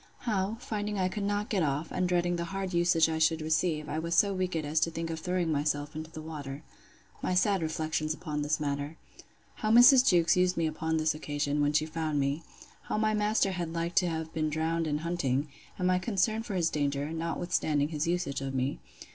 How, finding I could not get off, and dreading the hard usage I should receive, I was so wicked as to think of throwing myself into the water. My sad reflections upon this matter. How Mrs. Jewkes used me upon this occasion, when she found me. How my master had like to have been drowned in hunting; and my concern for his danger, notwithstanding his usage of me.